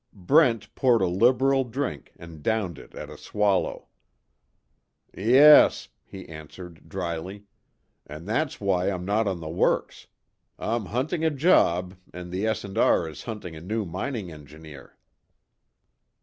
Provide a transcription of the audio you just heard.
Brent poured a liberal drink and downed it at a swallow: "Yes," he answered, dryly, "And that's why I'm not on the works. I'm hunting a job, and the S. & R. is hunting a new mining engineer."